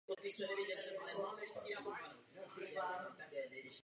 Pražských jazzových dnech a vzápětí se stali předmětem zájmu Státní bezpečnosti.